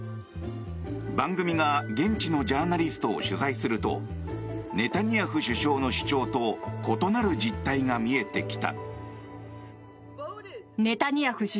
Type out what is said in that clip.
番組が現地のジャーナリストを取材するとネタニヤフ首相の主張と異なる実態が見えてきた。